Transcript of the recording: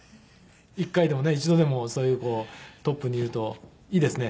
一回でもね一度でもそういうトップにいるといいですね